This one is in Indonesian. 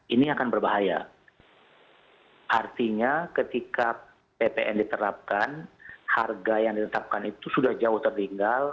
ini akan berbahaya artinya ketika ppn diterapkan harga yang ditetapkan itu sudah jauh tertinggal